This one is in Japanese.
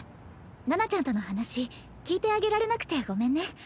七菜ちゃんとの話聞いてあげられなくてごめんね。